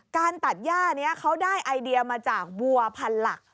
การตัดย่านี้เขาได้ไอเดียมาจากวัวพันหลัก